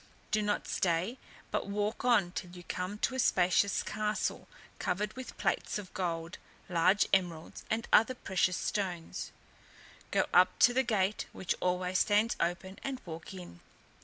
Do not stay, but walk on till you come to a spacious castle, covered with plates of gold, large emeralds, and other precious stones: go up to the gate, which always stands open, and walk in.